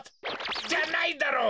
じゃないだろう！